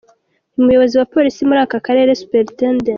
Umuyobozi wa Polisi muri aka karere Supt.